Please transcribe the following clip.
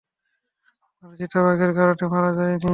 ওরা চিতাবাঘের কারণে মারা যায় নি?